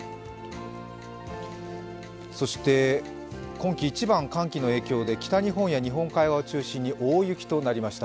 今季一番寒気の影響で北日本や日本海側を中心に大雪となりました。